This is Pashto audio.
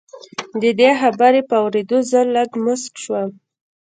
د دې خبرې په اورېدو زه لږ موسک شوم